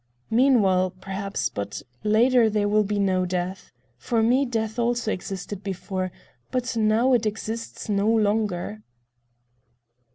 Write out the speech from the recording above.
Meanwhile, perhaps, but later there will be no death. For me death also existed before, but now it exists no longer."